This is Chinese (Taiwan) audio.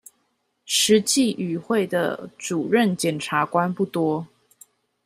實際與會的主任檢察官不多